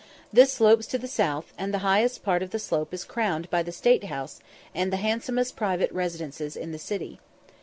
This slopes to the south, and the highest part of the slope is crowned by the State House and the handsomest private residences in the city.